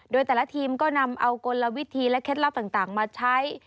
โดยแต่ละทีมก็นำเอากลวิธีและเคล็ดลับต่างมาใช้